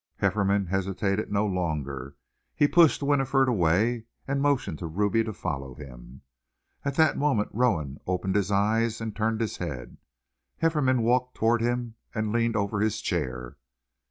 Hefferom hesitated no longer. He pushed Winifred away, and motioned to Ruby to follow him. At that moment Rowan opened his eyes and turned his head. Hefferom walked towards him and leaned over his chair.